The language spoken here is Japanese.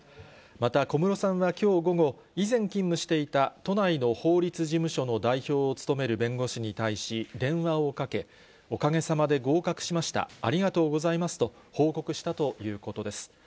また、小室さんはきょう午後、以前勤務していた都内の法律事務所の代表を務める弁護士に対し電話をかけ、おかげさまで合格しました、ありがとうございますと、報告したということです。